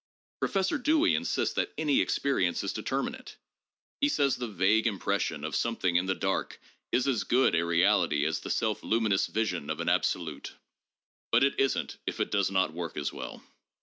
Professor Dewey insists that any experience is determinate. He says the vague impression of something in the dark "is as 'good' a reality as the self luminous vision of an absolute." But it isn't if it does not work as well.